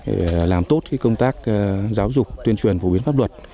để làm tốt công tác giáo dục tuyên truyền phổ biến pháp luật